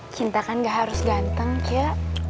cinta kan gak harus ganteng ya